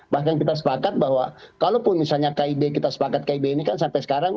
bahkan kita sepakat bahwa kalaupun misalnya kib kita sepakat kib ini kan sampai sekarang